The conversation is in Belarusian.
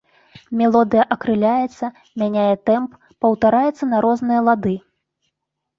Мелодыя акрыляецца, мяняе тэмп, паўтараецца на розныя лады.